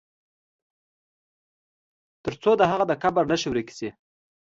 تر څو د هغه د قبر نښي ورکي سي.